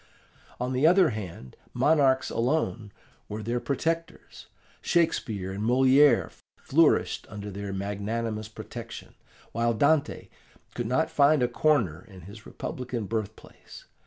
On the other hand, monarchs alone were their protectors. Shakespeare and Moliere flourished under their magnanimous protection, while Dante could not find a corner in his republican birthplace.